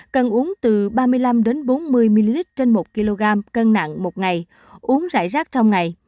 cần uống từ ba mươi năm bốn mươi ml trên một kg cân nặng một ngày uống rải rác trong ngày